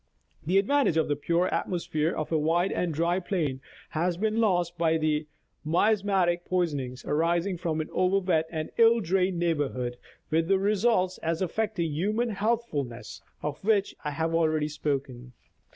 The advantage of the pure atmosphere of a wide and dry plain has been lost by the miasmatic poisonings arising from an over wet and ill drained neighborhood, with the results, as affecting human healthfulness, of which I have already spoken.